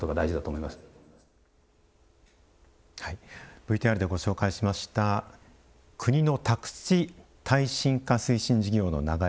ＶＴＲでご紹介しました国の宅地耐震化推進事業の流れ